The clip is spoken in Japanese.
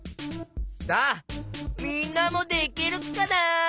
さあみんなもできるかな？